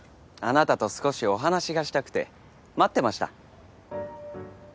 あなたと少しお話がしたくて待ってました。